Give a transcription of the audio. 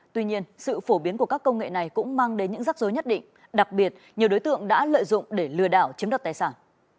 tuy nhiên sự phổ biến của các công nghệ này cũng mang đến những rắc rối nhất định đặc biệt nhiều đối tượng đã lợi dụng để lừa đảo chiếm đoạt tài sản